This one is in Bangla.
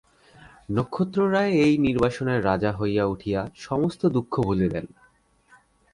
নক্ষত্ররায় এই নির্বাসনের রাজা হইয়া উঠিয়া সমস্ত দুঃখ ভুলিলেন।